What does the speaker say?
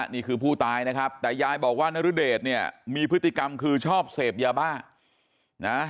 นี่คือผู้ตายนะครับแต่ยายบอกว่านรุเดชเนี่ยมีพฤติกรรมคือชอบเสพยาบ้านะ